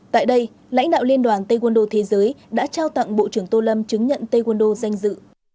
tại đây lãnh đạo liên đoàn tây quân đô thế giới đã trao tặng bộ trưởng tô lâm chứng nhận tây quân đô danh dự